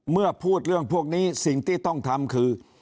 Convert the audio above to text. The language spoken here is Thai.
เมื่อพูดเรื่องพวกนี้สิ่งที่ต้องทำคือ